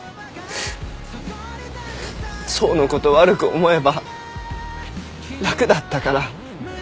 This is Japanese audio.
想のこと悪く思えば楽だったから。